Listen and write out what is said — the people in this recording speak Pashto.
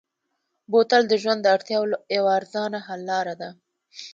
بوتل د ژوند د اړتیاوو یوه ارزانه حل لاره ده.